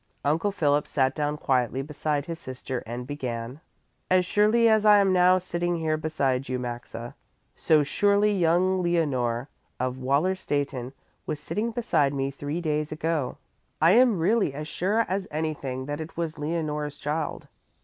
Uncle Philip sat down quietly beside his sister and began: "As surely as I am now sitting here beside you, Maxa, so surely young Leonore of Wallerstätten was sitting beside me three days ago. I am really as sure as anything that it was Leonore's child.